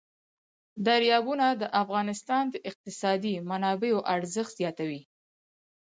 دریابونه د افغانستان د اقتصادي منابعو ارزښت زیاتوي.